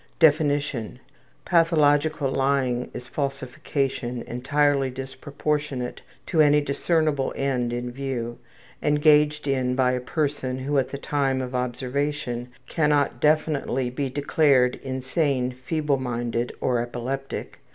Definition: Pathological lying is falsification entirely disproportionate to any discernible end in view, engaged in by a person who, at the time of observation, cannot definitely be declared insane, feebleminded, or epileptic.